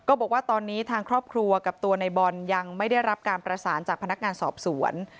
บอกว่าตอนนี้ทางครอบครัวกับตัวในบอลยังไม่ได้รับการประสานจากพนักงานสอบสวน